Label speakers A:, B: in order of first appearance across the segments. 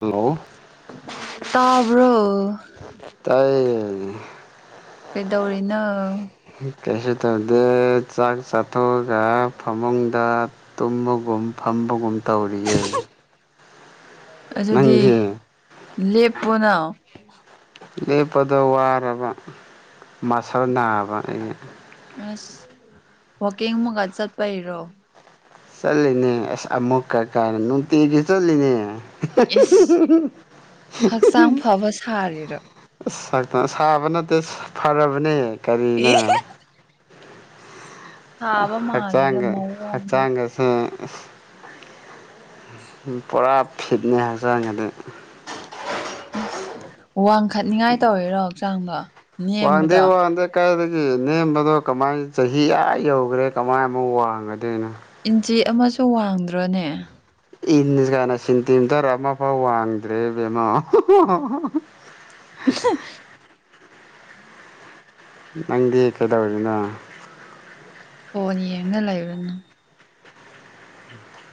A: hello
B: bro
A: ꯇꯥꯏ
B: ꯀꯩꯗꯧꯔꯅꯣ
A: ꯀꯩꯁꯨ ꯇꯧꯗꯦ ꯆꯥꯛ ꯆꯥꯊꯣꯛꯑꯒ ꯐꯃꯨꯡꯗ ꯇꯨꯝꯕꯒꯨꯝ ꯇꯝꯕꯒꯨꯝ ꯇꯧꯔꯤꯌꯦꯦ
B: ꯑꯗꯨꯗꯤ ꯂꯦꯞꯄꯣꯅ
A: ꯂꯦꯞꯄꯗ ꯋꯥꯔꯕ ꯃꯁꯜ ꯅꯥꯕ ꯑꯩꯁ
B: ꯑꯁ ꯋꯥꯋꯀꯤꯡ ꯑꯃꯒ ꯆꯠꯄ ꯏꯔꯣ
A: ꯆꯠꯂꯤꯅꯦ ꯑꯁ ꯑꯃꯨꯛꯀ ꯀꯥꯅ ꯅꯨꯡꯇꯤꯒꯤ ꯆꯠꯂꯤꯅꯦ
B: ꯏꯁ ꯍꯛꯆꯥꯡ ꯐꯕ ꯁꯥꯔꯤꯔꯣ
A: ꯏꯁ ꯁꯥꯕ ꯅꯠꯇꯦ ꯐꯔꯕꯅꯦ ꯀꯔꯤꯅ
B: ꯁꯥꯕ ꯃꯥꯜꯂꯦꯗ
A: ꯍꯛꯆꯥꯪꯒ
B: ꯃꯑꯣꯡꯗꯣ
A: ꯍꯛꯆꯥꯪꯒ ꯄꯨꯔꯥ ꯐꯤꯠꯅꯦ ꯍꯛꯆꯥꯡ ꯑꯗꯨ
B: ꯋꯥꯡꯈꯠꯅꯤꯉꯥꯏ ꯇꯧꯔꯦꯔꯣ ꯍꯛꯆꯥꯡꯗ
A: ꯋꯥꯗꯦ ꯋꯥꯗꯦ ꯀꯥꯏ ꯁꯤ ꯅꯦꯝꯕꯗꯣ ꯀꯃꯥꯏꯅ ꯆꯍꯤ ꯑ ꯌꯧꯈ꯭ꯔꯦ ꯀꯃꯥꯏ ꯑꯃꯛ ꯋꯥꯡꯒꯗꯣꯏꯅꯣ
B: ꯏꯟꯆꯤ ꯑꯃꯁꯨ ꯋꯥꯡꯗ꯭ꯔꯣꯅꯦ
A: ꯏꯟ ꯀꯥꯏꯅ ꯁꯦꯟꯇꯤꯃꯤꯇꯔ ꯑꯃꯐꯥꯎ ꯋꯥꯡꯗ꯭ꯔꯦ ꯕꯦꯝꯃꯥ
B: ꯏꯁ
A: ꯅꯪꯗꯤ ꯀꯩꯗꯧꯔꯤꯅꯣ
B: ꯐꯣꯟ ꯌꯦꯡꯉ ꯂꯩꯕꯅꯪ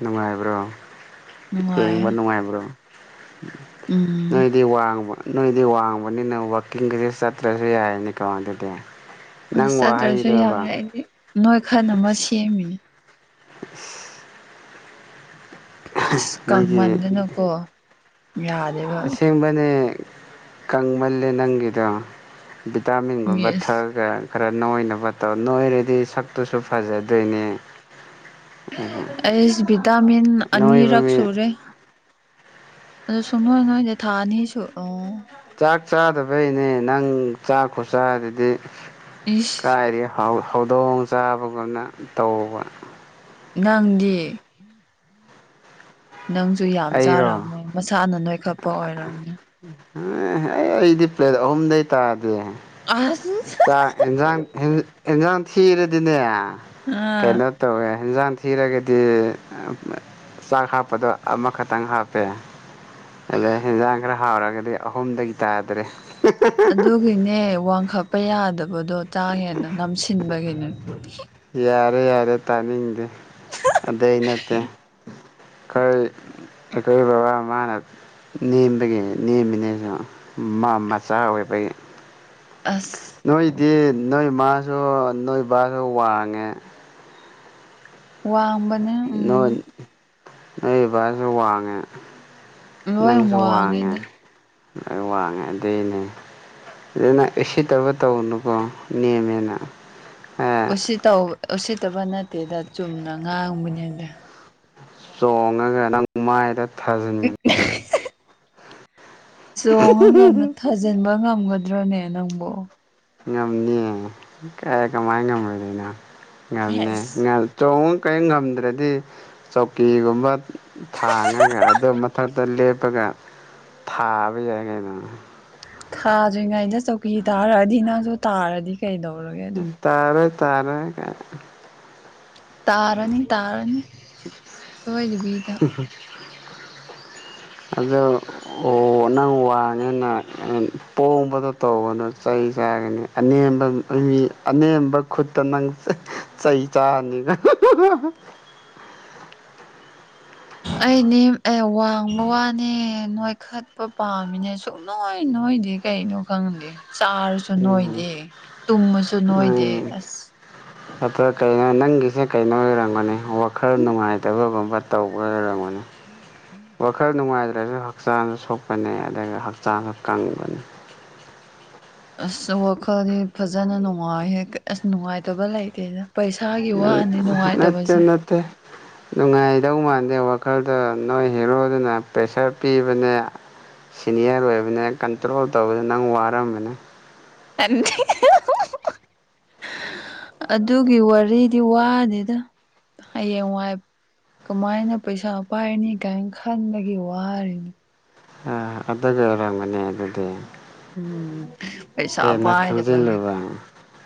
A: ꯅꯨꯡꯉꯥꯏꯕ꯭ꯔꯣ
B: ꯅꯨꯡꯉꯥꯏꯌꯦ
A: ꯌꯦꯡꯕ ꯅꯨꯡꯉꯥꯏꯕ꯭ꯔꯣ
B: ꯎꯝ
A: ꯅꯣꯏꯗꯤ ꯋꯥꯡꯕ ꯅꯣꯏꯗꯤ ꯋꯥꯡꯕꯅꯤꯅ ꯋꯥꯛꯀꯤꯡꯒꯁꯤ ꯆꯠꯇ꯭ꯔꯁꯨ ꯌꯥꯏꯅꯦ ꯀꯃꯥꯏ ꯑꯗꯨꯗꯤ ꯅꯪ
B: ꯑꯁ ꯆꯠꯇ꯭ꯔꯁꯨ ꯌꯥꯝ
A: ꯋꯥꯍꯩꯗꯣꯕ
B: ꯌꯥꯏ ꯑꯩꯗꯤ ꯅꯣꯏꯈꯠꯅꯕ ꯁꯦꯝꯃꯤꯅꯦ
A: [inaudible] ꯃꯤꯒꯤ
B: ꯀꯪꯃꯟꯗꯅꯀꯣ ꯌꯥꯗꯦꯕ
A: ꯑꯁꯦꯡꯕꯅꯦ ꯀꯪꯃꯜꯂꯦ ꯅꯪꯒꯤꯗꯣ
B: ꯃꯤ
A: ꯚꯤꯇꯥꯃꯤꯟꯒꯨꯝꯕ
B: ꯑꯁ
A: ꯊꯛꯑꯒ ꯈꯔ ꯅꯣꯏꯅꯕ ꯇꯧ ꯅꯣꯏꯔꯗꯤ ꯁꯛꯇꯨꯁꯨ ꯐꯖꯗꯣꯏꯅꯤ
B: ꯑꯦꯁ ꯚꯇꯥꯃꯤꯟ
A: ꯅꯣꯏꯕ
B: ꯑꯅꯤꯔꯛ
A: ꯃꯤ
B: ꯁꯨꯔꯦ ꯑꯗꯨ ꯁꯨꯛꯅꯣꯏ ꯅꯣꯏꯗꯤ ꯊꯥ ꯑꯅꯤꯁꯨ ꯑꯣ
A: ꯆꯥꯛ ꯆꯥꯗꯕꯩꯅꯦ ꯅꯪ ꯆꯥꯛ ꯈꯨꯆꯥ ꯑꯗꯨꯗꯤ
B: ꯏꯁ
A: ꯀꯥꯏꯔꯤ ꯍꯧꯗꯣꯡ ꯆꯥꯕꯒꯨꯝꯅ ꯇꯧꯕ
B: ꯅꯪꯗꯤ ꯅꯪꯁꯨ ꯌꯥꯝ
A: ꯑꯩꯔꯣ
B: ꯆꯥꯔꯝꯃꯣꯏ ꯃꯁꯥꯅ ꯅꯣꯏꯈꯠꯄ ꯑꯣꯏꯔꯝꯅꯤ
A: ꯑꯥ ꯑꯩ ꯑꯩꯗꯤ ꯄ꯭ꯂꯦꯠ ꯑꯍꯨꯝꯗꯩ ꯇꯥꯗꯦ
B: ꯑꯁ
A: ꯆꯥꯛ ꯏꯟꯖꯥꯡ ꯏꯟꯖꯥꯡ ꯊꯤꯔꯗꯤꯅꯦ
B: ꯑꯥ
A: ꯀꯩꯅꯩꯅꯣ ꯇꯧꯖꯡꯋꯦ ꯍꯤꯟꯖꯥꯡ ꯊꯤꯔꯒꯗꯤ ꯆꯥꯛ ꯍꯥꯞꯄꯗꯣ ꯑꯃꯈꯛꯇꯪ ꯍꯥꯞꯄꯦ ꯑꯗ ꯍꯦꯟꯖꯥꯡ ꯈꯔ ꯍꯥꯎꯔꯒꯗꯤ ꯑꯍꯨꯝꯗꯒꯤ ꯇꯥꯗ꯭ꯔꯦ
B: ꯑꯗꯨꯒꯤꯅꯦ ꯋꯥꯡꯈꯠꯄ ꯌꯥꯗꯕꯗꯣ ꯆꯥꯛ ꯍꯦꯟꯅ ꯅꯝꯁꯤꯟꯕꯒꯤꯅꯦ
A: ꯌꯥꯔꯦ ꯌꯥꯔꯦ ꯇꯥꯅꯤꯡꯗꯦ ꯑꯗꯨꯗꯩ ꯅꯠꯇꯦ ꯀꯩ ꯀꯩ ꯕꯥ ꯃꯥꯅ ꯅꯦꯝꯕꯒꯤ ꯅꯦꯝꯃꯤꯅꯦꯁꯨ ꯃꯆꯥ ꯑꯣꯏꯕꯒꯤ
B: ꯑꯁ
A: ꯅꯣꯏꯗꯤ ꯅꯣꯏ ꯃꯥꯁꯨ ꯅꯣꯏ ꯕꯥꯁꯨ ꯋꯥꯡꯉꯦ
B: ꯋꯥꯡ
A: ꯅꯣꯏ ꯅꯣꯏꯕꯁꯨ ꯋꯥꯡꯉꯦ
B: ꯂꯣꯏ
A: ꯅꯪꯁꯨ ꯋꯥꯡꯉꯦ
B: ꯋꯥꯡꯉꯦꯗ
A: ꯂꯣꯏ ꯋꯥꯡꯉꯦ ꯑꯗꯨꯏꯅꯦ ꯑꯗꯨꯅ ꯎꯁꯤꯠꯇꯕ ꯇꯧꯅꯨꯀꯣ ꯅꯦꯝꯃꯦꯅ ꯑꯦ
B: ꯎꯁꯤꯠꯇ ꯎꯁꯤꯠꯇꯕ ꯅꯠꯇꯦꯗ ꯆꯨꯝꯅ ꯉꯥꯡꯕꯅꯤꯗ
A: ꯆꯣꯡꯉꯒ ꯅꯪꯗ ꯃꯥꯏꯗ ꯊꯥꯖꯤꯟꯒꯅꯤ
B: [inaudible] ꯆꯣꯡꯉꯒ ꯊꯥꯖꯤꯟꯕ ꯉꯝꯒꯗ꯭ꯔꯅꯦ ꯅꯪꯕꯨ
A: ꯉꯝꯅꯤꯌꯦ ꯀꯥꯏ ꯀꯃꯥꯏꯅ ꯉꯝꯃꯣꯏꯗꯩꯩꯅꯣ ꯉꯝꯅꯦ
B: ꯍꯦꯁ
A: ꯀꯔꯤ ꯉꯝꯗ꯭ꯔꯗꯤ ꯆꯧꯀꯤꯒꯨꯝꯕ ꯊꯥꯡꯉꯒ ꯑꯗꯨ ꯃꯊꯛꯇ ꯂꯦꯞꯄꯒ ꯊꯥꯕ ꯌꯥꯏ ꯀꯩꯅꯣ
B: ꯊꯥꯗ꯭ꯔꯤꯉꯩꯗ ꯆꯧꯀꯤ ꯇꯥꯔꯛꯑꯗꯤ ꯅꯪꯁꯨ ꯇꯥꯔꯗꯤ ꯀꯩꯗꯧꯔꯒꯦ ꯑꯗꯨ
A: ꯇꯔꯣꯏ
B: ꯇꯥꯔꯅꯤ ꯇꯥꯔꯅꯤ ꯁꯣꯏꯗꯕꯤ
A: ꯎꯝ ꯍꯨꯝ
B: [inaudible]
A: ꯑꯗꯣ ꯑꯣ ꯅꯪ ꯋꯥꯡꯉꯦꯅ ꯄꯣꯡꯕꯗꯣ ꯇꯧꯒꯅꯣ ꯆꯩ ꯆꯥꯒꯅꯤ ꯑꯅꯦꯝꯕ ꯃꯤ ꯑꯅꯦꯝꯕ ꯈꯨꯠꯇ ꯅꯪ ꯆꯩ ꯆꯥꯔꯅꯤ [unintelligible]
B: ꯎꯝ ꯑꯩꯅꯦ ꯑꯦ ꯋꯥꯡꯕ ꯋꯥꯅꯦ ꯅꯣꯏꯈꯠꯄ ꯄꯥꯝꯃꯤꯅꯦ ꯁꯨꯡ ꯅꯣꯏꯅꯦ ꯅꯣꯏꯗꯤ ꯀꯩꯩꯅꯣ ꯈꯪꯗꯦ ꯆꯥꯔꯁꯨ
A: ꯎꯝ
B: ꯅꯣꯏꯗꯦ ꯇꯨꯝꯃꯁꯨ ꯅꯣꯏꯗꯦ ꯑꯁ
A: ꯑ ꯀꯩꯅꯣ ꯅꯪꯒꯤꯁꯦ ꯀꯩꯅꯣ ꯑꯣꯏꯔꯝꯒꯅꯤ ꯋꯥꯈꯜ ꯅꯨꯡꯉꯥꯏꯇꯕꯒꯨꯝꯕ ꯇꯧꯕ ꯑꯣꯏꯔꯝꯒꯅꯤ ꯋꯥꯈꯜ ꯅꯨꯡꯉꯥꯏꯗ꯭ꯔ ꯑꯗꯨꯁꯨ ꯍꯛꯆꯥꯡꯁꯨ ꯁꯣꯛꯄꯅꯦ ꯑꯗꯨꯒ ꯍꯛꯆꯥꯡꯁꯨ ꯀꯪꯕꯅꯤ
B: ꯑꯁ ꯋꯥꯈꯜꯗꯤ ꯐꯖꯅ ꯅꯨꯡꯉꯥꯏ ꯑꯁ ꯅꯨꯡꯉꯥꯏꯇꯕ ꯂꯩꯇꯦꯅ ꯄꯩꯁꯥꯒꯤ ꯋꯥꯗꯤꯦ
A: ꯅꯠꯇꯦ
B: ꯅꯨꯡꯉꯥꯏꯇꯕꯁꯦ
A: ꯅꯠꯇꯦ ꯅꯨꯡꯉꯥꯏꯗꯧ ꯃꯥꯟꯗꯦ ꯋꯥꯈꯜꯗ ꯅꯣꯏ ꯍꯦꯔꯣꯗꯨꯅ ꯄ꯭ꯔꯦꯁꯔ ꯄꯤꯕꯅꯦ ꯁꯤꯅꯤꯌꯥꯔ ꯑꯣꯏꯕꯅꯤꯅ ꯀꯟꯇ꯭ꯔꯣꯜ ꯇꯧꯕꯗ ꯅꯪ ꯋꯥꯔꯝꯕꯅꯦ
B: ꯑ ꯑꯗꯨꯒꯤ ꯋꯥꯔꯤꯗꯤ ꯋꯥꯅꯤꯗ ꯍꯌꯦꯡ ꯋꯥꯏꯕ ꯀꯃꯥꯏꯅ ꯄꯩꯁꯥ ꯄꯥꯏꯔꯤꯅꯤ ꯀꯥꯏꯅ ꯈꯟꯕꯒꯤ ꯋꯥꯔꯤꯅꯤ
A: ꯑ ꯑꯗꯨ ꯑꯣꯏꯔꯝꯒꯅꯤ ꯑꯗꯨꯗꯤ
B: ꯎꯝ ꯄꯩꯁꯥ
A: ꯍꯦꯟꯅ
B: ꯄꯥꯏꯗꯕꯒꯤꯀꯣ
A: ꯈꯟꯖꯤꯜꯂꯨꯕ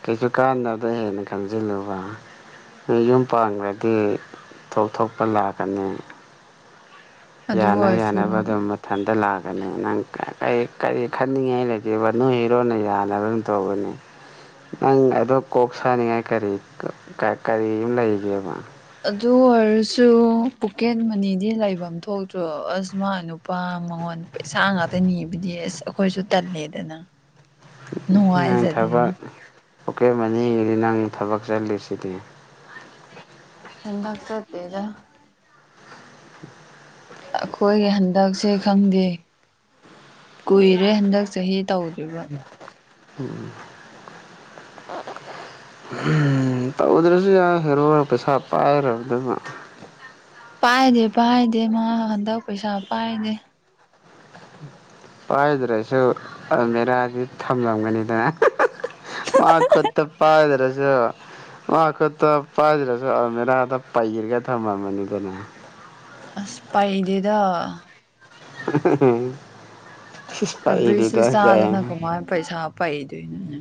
A: ꯀꯩꯁꯨ ꯀꯥꯟꯗꯗ ꯍꯦꯟꯅ ꯈꯪꯖꯤꯜꯂꯨꯕ ꯌꯨꯝ ꯄꯥꯡꯈ꯭ꯔꯗꯤ ꯊꯣꯛ ꯊꯣꯛꯄ ꯂꯥꯛꯀꯅꯤ
B: ꯑꯗꯨ
A: ꯌꯥꯅ
B: ꯑꯣꯏꯔꯁꯨ
A: ꯌꯥꯅꯕ ꯑꯗꯨꯝ ꯃꯊꯟꯇ ꯂꯥꯛꯑ ꯅꯪ ꯀ ꯀꯔꯤ ꯈꯟꯅꯤꯡꯉꯥꯏ ꯂꯩꯒꯦꯕ ꯅꯣꯏ ꯏꯔꯣꯟꯅ ꯌꯥꯅꯕ ꯑꯗꯨ ꯇꯧꯕꯅꯤ ꯅꯪ ꯑꯗꯣ ꯀꯣꯛ ꯁꯥꯅꯤꯡꯉꯥꯏ ꯀꯔꯤ ꯀꯔꯤ ꯂꯩꯒꯦꯕ
B: ꯑꯗꯨ ꯑꯣꯏꯔꯁꯨ ꯄꯣꯀꯦꯠ ꯃꯅꯤꯗꯤ ꯂꯩꯐꯝ ꯊꯣꯛꯇ꯭ꯔꯣ ꯑꯁ ꯃꯥ ꯅꯨꯄꯥ ꯃꯉꯣꯟꯗ ꯄꯩꯁꯥ ꯉꯥꯛꯇ ꯅꯤꯕꯗꯤ ꯑꯁ ꯑꯩꯈꯣꯏꯁꯨ ꯇꯜꯂꯦꯗꯅ ꯅꯨꯡꯉꯥꯏꯖꯗꯅ
A: ꯑꯣꯀꯦ ꯃꯅꯤꯒꯤꯗꯤ ꯅꯪ ꯊꯕꯛ ꯆꯠꯂꯤꯁꯤꯗꯤ
B: ꯑꯁ ꯆꯟꯗꯥꯛ ꯆ ꯇꯦꯖ ꯑꯩꯈꯣꯏꯒꯤ ꯍꯟꯗꯛꯁꯦ ꯈꯪꯗꯦ ꯀꯨꯏꯔꯦ ꯍꯟꯗꯛ ꯆꯍꯤ ꯇꯧꯗ꯭ꯔꯤꯕ
A: ꯎꯝ
B: [unintelligible]
A: ꯎꯝ ꯇꯧꯗ꯭ꯔꯁꯨ ꯌꯥꯏ ꯍꯦꯔꯣ ꯄꯩꯁꯥ ꯄꯥꯏꯗꯅ
B: ꯄꯥꯏꯗꯦ ꯄꯥꯏꯗꯦ ꯃꯥ ꯍꯟꯗꯛ ꯄꯩꯁꯥ ꯄꯥꯏꯅꯦꯦ
A: ꯄꯥꯏꯗ꯭ꯔꯁꯨ ꯑ ꯃꯦꯔꯥꯗꯤ ꯊꯝꯂꯝꯒꯅꯤꯗꯅ ꯃꯥ ꯈꯨꯠꯇ ꯄꯗ ꯔꯁꯨꯣ ꯋꯥꯈꯣꯏ ꯄꯥꯖꯔꯁꯨ ꯃ ꯄꯍꯤꯔꯒ ꯊꯃ ꯃꯅꯤꯗꯅ
B: ꯑꯁ ꯄꯥꯏꯗꯗ
A: ꯎꯝ
B: ꯁꯔꯚꯤꯁꯁꯨꯨ ꯆꯥꯗꯅ ꯀꯃꯥꯏꯅ ꯄꯩꯁꯥ ꯄꯩꯗꯣꯏꯅꯣꯅꯦ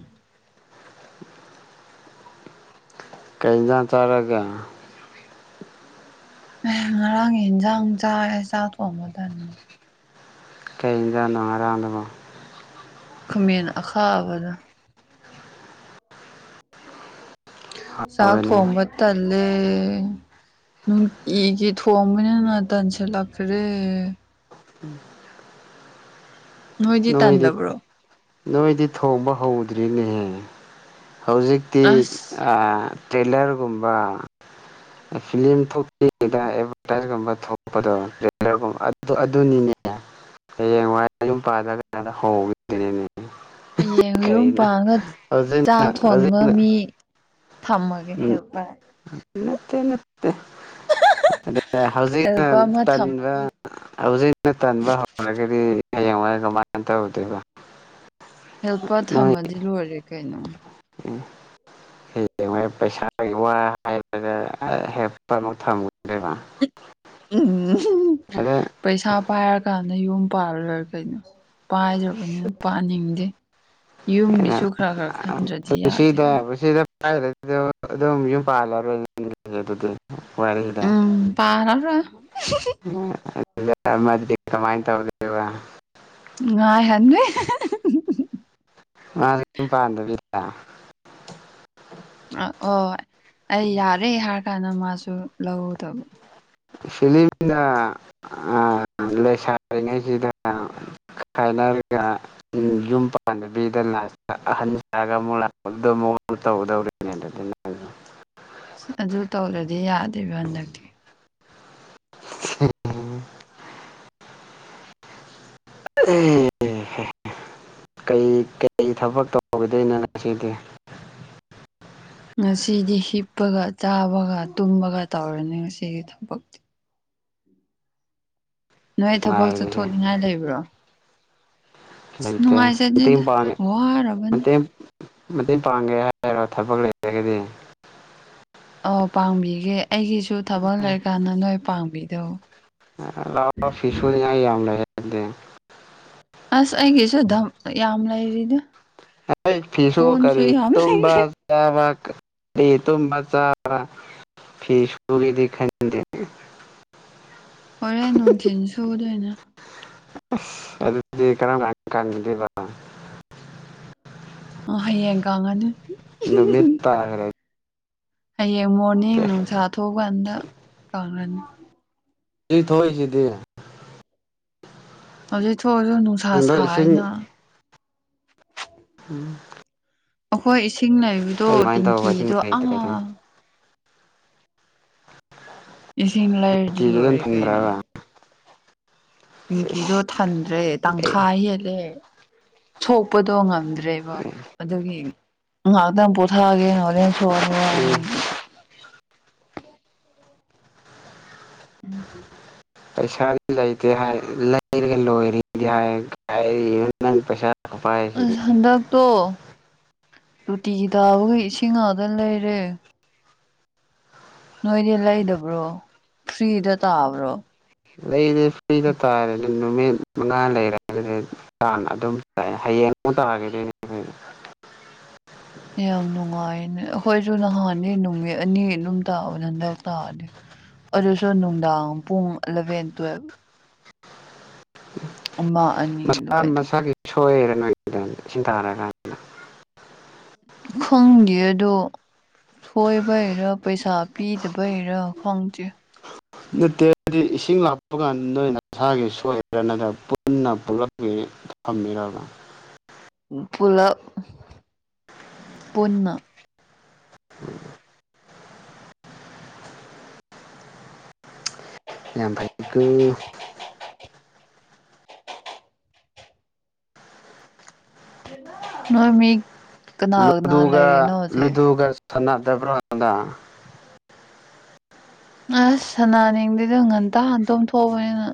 A: ꯀꯩꯖ ꯇꯔꯒ
B: ꯉꯔꯥꯡ ꯌꯦꯟꯁꯥꯡ ꯆꯥꯛꯦ ꯆꯥꯛ ꯊꯣꯡꯕꯗꯅ
A: ꯀꯩꯗꯅꯅꯨꯡꯉꯔꯥꯡꯗꯕ
B: ꯈꯃꯦꯟ ꯑꯈꯥꯂ ꯆꯥꯛ
A: ꯍꯥꯎꯋꯦꯅꯦ
B: ꯊꯣꯡꯝꯕꯇꯂꯦ ꯅꯨꯡꯇꯤꯒꯤ ꯊꯣꯡꯕꯅꯤꯅ ꯇꯟꯁꯤꯜꯂꯛꯈ꯭ꯔꯦ
A: ꯎꯝ
B: ꯍꯣꯏꯗꯤ ꯇꯥꯟꯗꯕ꯭ꯔꯣ
A: ꯅꯣꯏꯗꯤ ꯊꯣꯡꯕ ꯍꯧꯗ꯭ꯔꯤꯅꯦꯍꯦ ꯍꯧꯖꯤꯛꯇꯤ
B: ꯑꯁ
A: ꯇꯦꯂꯔꯒꯨꯝꯕ ꯐꯤꯂꯝ ꯊꯣꯛꯇ꯭ꯔꯤꯉꯩꯗ ꯑꯦꯗꯚꯔꯇꯥꯏꯁꯀꯨꯝꯕ ꯊꯣꯛꯄꯗꯣꯅꯤꯅꯦ
B: [unintelligible]
A: ꯄꯥꯖꯒꯗ ꯍꯧꯒꯗꯅꯦꯅꯦ
B: ꯍꯌꯦꯡ ꯌꯨꯝ ꯄꯥꯡꯉ ꯆꯥꯛ
A: ꯍꯧꯖꯤꯛꯅ
B: ꯊꯣꯟꯕ
A: ꯍꯧꯖꯤꯛꯅ
B: ꯃꯤ ꯊꯃꯒꯦ
A: ꯎꯝ
B: ꯍꯄꯔ
A: ꯅꯠꯇꯦ ꯅꯠꯇꯦ ꯍꯧꯖꯤꯛꯅ
B: ꯍꯦꯜꯄꯔ ꯑꯃ ꯊꯝꯃꯒꯦ
A: ꯇ ꯍꯧꯖꯤꯛꯅ ꯇꯟꯥꯟꯕ ꯍꯧꯔꯒꯗꯤ ꯍꯡꯉ ꯀꯃꯥꯏꯅ ꯇꯧꯗꯣꯏꯔꯤꯕ
B: ꯍꯦꯜꯄꯔ ꯊꯝꯃꯗꯤ ꯂꯣꯏꯔꯦ ꯀꯩꯅꯣ
A: ꯏ ꯍꯡꯉ ꯄꯩꯁꯥꯒꯤ ꯋꯥ ꯍꯥꯏꯔꯗ ꯍꯦꯄ ꯑꯃ ꯊꯝꯒꯗꯦꯕ
B: ꯎꯝ ꯄꯩꯁꯥ ꯄꯥꯏꯔꯒ ꯅ ꯌꯨꯝ ꯄꯥꯂ ꯂꯣꯏꯔ ꯀꯩꯅꯣ ꯄꯥꯏꯗ꯭ꯔꯕꯅꯤꯅ ꯄꯥꯅꯤꯡꯗꯦ ꯌꯨꯝꯒꯤꯁꯨ ꯈꯔ ꯈꯔ ꯈꯟꯗ꯭ꯔꯗꯤ ꯌꯥꯗꯦꯕ
A: ꯄꯥꯔꯂꯔꯔꯗ
B: ꯎꯝ ꯄꯥꯔꯔꯣꯏ
A: ꯑꯃꯗꯤ ꯀꯃꯥꯏꯅ ꯇꯧꯗꯣꯏꯕ
B: ꯉ ꯍꯟꯕꯤ
A: ꯑꯝ ꯄꯥꯟꯗꯕꯤꯗ
B: ꯑꯣ ꯑꯩ ꯌꯥꯔꯦ ꯍꯥꯏꯔ ꯀꯥꯟꯗ ꯃꯥꯁꯨ ꯂꯧꯗꯕ
A: ꯁꯤꯂꯤꯃꯤꯗ ꯂꯦꯁꯥꯏꯉꯩꯁꯤꯗ ꯈꯥꯏꯅꯔꯒ ꯌꯨꯝ ꯄꯥꯟꯗꯕꯤꯗ ꯂ ꯑꯍꯟ ꯁꯥꯑꯒ ꯑꯃꯨꯛ ꯂꯥꯛꯄꯗ ꯑꯃꯨꯛ ꯇ ꯇ ꯍꯗꯦ
B: ꯑꯁ ꯑꯗꯨ ꯇꯧꯔꯗꯤ ꯌꯥꯗꯦꯕ ꯍꯟꯗꯛꯇꯤ
A: ꯍ ꯀꯩ ꯀꯩ ꯊꯕꯛ ꯇꯧ ꯇꯧꯈꯤꯗꯣꯏꯅꯤꯁꯤꯗꯤ
B: ꯉꯁꯤꯗꯤ ꯍꯤꯞꯄꯒ ꯆꯥꯕꯒ ꯇꯨꯝꯕꯒ ꯇꯧꯔꯅꯤ ꯉꯁꯤꯒꯤ ꯊꯕꯛꯇꯤ ꯅꯣꯏ ꯊꯕꯛꯁꯨ
A: ꯉꯥꯏꯔꯤꯁꯦ
B: ꯊꯣꯅꯤꯡꯉꯥꯏ ꯂꯩꯕ꯭ꯔꯣ
A: ꯑ
B: ꯅꯨꯡꯉꯥꯏꯖꯗꯦꯗ ꯋꯥꯔꯕꯅꯤ
A: ꯃꯇꯦꯡ ꯄꯥꯡꯒꯦ ꯍꯥꯏꯔꯣ ꯊꯕꯛ ꯂꯩꯔꯒꯗꯤ
B: ꯑ ꯄꯥꯡꯕꯤꯒꯦ ꯑꯩꯒꯤꯁꯨ ꯊꯕꯛ ꯂꯩꯔꯀꯥꯟꯗ ꯅꯣꯏ ꯄꯥꯡꯕꯤꯗꯧ
A: ꯂꯥꯎꯑꯣ ꯐꯤꯁꯁꯨꯗꯤꯉꯥꯏ ꯌꯥꯝ ꯂꯩꯗ
B: ꯑꯁ ꯑꯩꯒꯤꯁꯨ ꯌꯥꯝ ꯂꯩꯔꯤꯗ
A: ꯐꯤꯤꯁ
B: ꯀꯣꯟꯁꯨ
A: ꯀꯔꯤ
B: ꯌꯥꯝ
A: ꯇ
B: ꯂꯩꯔꯤ
A: ꯆ ꯗꯤ ꯇꯨꯝꯃ ꯆ ꯐꯤ ꯁꯨꯔꯦꯗꯦ ꯈꯥꯏꯗꯅꯦ
B: ꯍꯣꯔꯦꯟ ꯅꯨꯡꯊꯤꯤꯟ ꯁꯨꯗꯣꯏ ꯑꯣꯏꯅ
A: ꯑꯗꯨꯗꯤ ꯀꯔꯝ ꯀꯥꯟꯈꯤꯗꯦꯕ
B: ꯑ ꯍꯌꯦꯡꯒꯉꯅꯦ
A: ꯏ ꯃꯠꯇ ꯍꯥꯏ
B: ꯍꯌꯦꯡ ꯃꯣꯔꯅꯤꯡ ꯅꯨꯡꯁꯥ ꯊꯣꯛꯀꯥꯟꯗ ꯀꯪ꯭ꯔꯅꯤ
A: ꯁꯤ ꯊꯣꯛꯣꯏꯁꯤꯗꯤ
B: ꯍꯧꯖꯤꯛ ꯊꯣꯛꯑꯁꯨ ꯅꯨꯡꯁꯥ ꯁꯥ
A: ꯏꯁꯤꯡ
B: ꯍꯥꯏꯅ
A: ꯎ
B: ꯑꯩꯈꯣꯏ ꯏꯁꯤꯡ ꯅꯩꯕꯗꯣ
A: ꯏꯁꯤꯡ
B: ꯇꯦꯡꯀꯤꯗꯣ
A: ꯂꯩꯇ꯭ꯔꯦꯅꯦ
B: ꯑꯥ ꯏꯁꯤꯡ ꯂꯩꯥꯏꯔꯗꯤ
A: ꯇꯤꯒꯤ ꯑꯗꯨꯝ
B: ꯂꯣꯏꯔꯦ ꯀꯩꯅꯣ
A: ꯊꯤꯟꯕ꯭ꯔꯕ
B: ꯦꯡꯀꯤꯗꯣ
A: ꯁꯤꯁ
B: ꯊꯟꯗ꯭ꯔꯦ
A: ꯑꯦ
B: ꯇꯪꯈꯥ ꯍꯦꯜꯂꯦ ꯁꯣꯛꯄꯗꯣ ꯉꯝ ꯈꯟꯗ꯭ꯔꯦꯕ ꯑꯗꯨꯒꯤ ꯉꯥꯏꯍꯥꯛꯇꯪ ꯄꯣꯊꯛꯑꯒꯦ ꯍꯣꯔ ꯍꯉ ꯎꯝ
A: ꯄꯩꯁꯥꯗꯤ ꯂꯩꯇꯦ ꯍꯥꯏ ꯂꯩꯔꯒ ꯂꯣꯏꯔꯤꯗꯤ ꯍꯥꯏ ꯅꯪ ꯄꯩꯁꯥ ꯈꯨꯄꯥꯏꯁꯤꯗꯤ
B: ꯑꯁꯍꯟꯗꯛ ꯇꯣ ꯇꯣꯇꯤꯒꯤ ꯇꯥꯕꯈ ꯏꯁꯤꯡ ꯉꯥꯗꯅ ꯂꯩꯔꯦ ꯅꯣꯏꯗꯤ ꯂꯩꯗꯕ꯭ꯔꯣ ꯐ꯭ꯔꯤꯗ ꯇꯥꯕ꯭ꯔꯣ
A: ꯂꯩꯗꯤ ꯐ꯭ꯔꯤꯗ ꯇꯥꯔꯗꯤ ꯅꯨꯃꯤꯠ ꯃꯉꯥ ꯂꯩꯔꯒꯗꯤ ꯆ ꯑꯗꯨꯝ ꯆꯥꯏ ꯍꯌꯦꯡ ꯃ ꯇ ꯂꯒꯦ
B: [inaudible] ꯌꯥꯝ ꯅꯨꯡꯉꯥꯏꯅꯦ ꯑꯩꯈꯣꯏꯁꯨ ꯅꯍꯥꯟꯅꯤ ꯅꯨꯃꯤꯠ ꯑꯅꯤ ꯑꯗꯨꯝ ꯇꯥꯕꯗ ꯍꯟꯗꯛ ꯇꯥꯗꯤ ꯑꯣꯏꯁꯨꯅꯨꯡꯗꯥ ꯄꯨꯡ ꯂꯂꯕꯦꯟ ꯇꯨꯕ ꯑꯅꯤ
A: ꯃꯁꯥ
B: ꯑꯗꯨꯋꯥꯏꯗ
A: ꯃꯁꯥꯒꯤ ꯁꯣꯏꯔ ꯅꯣꯏꯗ ꯁꯤꯟꯊꯔ ꯀꯥꯟꯗꯗ
B: ꯈꯪꯗꯦ ꯑꯗꯣ ꯁꯣꯏꯕ ꯍꯔ ꯄꯩꯁꯥ ꯄꯤꯗꯕꯩꯔ ꯈꯪꯗꯦ
A: ꯅꯠꯇꯦꯗꯤ ꯏꯁꯤꯡ ꯂꯥꯛꯞꯄ ꯀꯥꯟꯗ ꯅꯣꯏ ꯅꯁꯥꯒꯤ ꯁꯣꯏꯗ꯭ꯔ ꯅꯠꯇ꯭ꯔ ꯄꯨꯟꯅ ꯄꯨꯂꯞꯈꯤ ꯊꯃꯦꯔꯅ
B: [inaudible] ꯄꯨꯂ ꯄꯨꯟꯅ
A: [inaudible] ꯌꯥ ꯐꯥꯏꯒꯨ
B: ꯅꯣꯏꯃꯤ
A: ꯂꯨꯗꯨꯒ ꯂꯨꯗꯨꯒ ꯁꯅꯥ ꯇꯦꯕ꯭ꯔꯥꯗ
B: ꯑꯁ ꯁꯅꯥꯅꯤꯡꯗꯨꯗ ꯉꯟꯇꯥ ꯉꯟꯇꯣꯝ ꯊꯣꯛꯕꯅꯤꯅ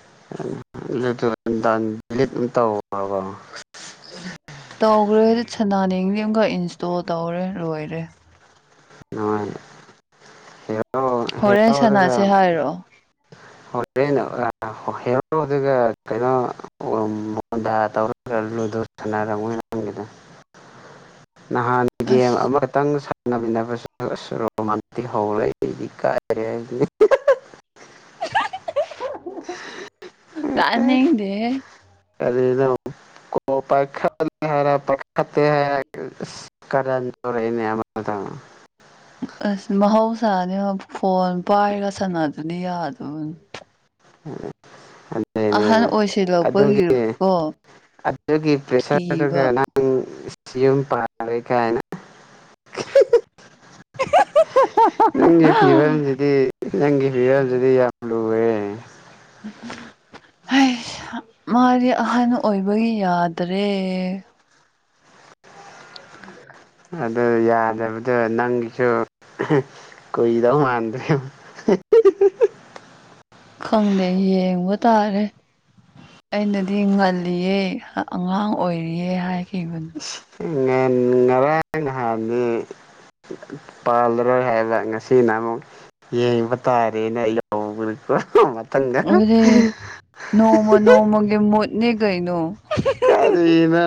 A: ꯇꯧꯕꯣ
B: ꯇꯧꯈ꯭ꯔꯦ ꯁꯅꯥꯅꯤꯡꯗꯤ ꯑꯃꯈꯛ ꯏꯟꯁꯇꯣꯜ ꯇꯧꯔꯦ ꯂꯣꯏꯔꯦ
A: ꯅ ꯍ
B: ꯍꯣꯔꯦꯟ ꯁꯥꯟꯅꯁꯦ ꯍꯥꯏꯔꯣ
A: ꯍꯔꯣ ꯑꯗꯨꯒ ꯀꯩꯅꯣ ꯀꯜꯂꯨꯗꯨ ꯁꯔꯝꯔꯝꯗ
B: [inaudible]
A: ꯅꯍꯥꯟ ꯒꯦꯝ
B: ꯑꯁ
A: ꯑꯃꯈꯛꯇꯪ ꯁꯥꯟꯅꯃꯤꯟꯅꯕ ꯔ ꯍꯧ ꯂꯩꯗꯤ ꯀꯥꯏꯔ ꯍꯥꯏ
B: ꯇꯅꯤꯗꯤ
A: ꯑꯗꯗ ꯣ ꯄꯔ ꯄ
B: [inaudible] ꯑꯁ ꯃꯍꯧꯁꯥꯅꯦ ꯐꯣꯟ ꯄꯥꯏꯔꯒ ꯁꯥꯟꯅꯗꯨꯅꯤ ꯌꯥꯗꯕꯅꯤ
A: ꯎꯝ
B: ꯑꯍꯟ ꯑꯣꯏꯁꯤ ꯂꯄꯒꯤꯀꯣ
A: ꯑꯗꯨꯒꯤ ꯄ꯭ꯔꯦꯁꯔꯒ ꯅꯪ ꯌꯨꯝ ꯄꯥꯔꯩ ꯀꯥꯏꯅ ꯏ ꯐꯤꯕꯔꯖꯗꯤ ꯅꯪꯒꯤ ꯐꯤꯕꯜꯁꯤꯗꯤ ꯌꯥꯝ ꯂꯨꯑꯦ
B: ꯎꯝ ꯍ ꯃꯥꯗꯤ ꯑꯍꯟ ꯑꯣꯏꯕꯒꯤ ꯌꯥꯗ꯭ꯔꯦ ꯑꯣ ꯐꯔꯦ
A: ꯑꯗꯨ ꯌꯥꯗꯕꯗꯣ ꯅꯪꯒꯤꯁꯨ ꯀꯨꯏꯗꯧ ꯃꯥꯟꯗꯦ [inaudible]
B: ꯈꯪꯗꯌꯦ ꯋꯥ ꯇꯔꯦ ꯑꯩꯅꯗꯤ ꯉꯜꯂꯤꯌꯦ ꯑꯉꯥꯡ ꯑꯣꯏꯔꯤꯌꯦ ꯍꯥꯏꯈꯤꯕꯅꯣ
A: ꯉꯟ ꯉꯔꯥꯡ ꯅꯍꯥꯟꯅꯤ ꯄꯥꯜꯂꯔꯣꯏ ꯍꯥꯏꯕ ꯉꯁꯤꯅ ꯑꯃꯨꯛ ꯌꯦꯡꯕ ꯇꯥꯔꯦꯅ ꯑꯩ ꯍ
B: ꯑꯗꯨꯗꯦ ꯅꯣꯡꯃ ꯅꯣꯡꯃꯒꯤ ꯃꯣꯅꯦ ꯀꯅꯣ
A: ꯀꯔꯤꯅ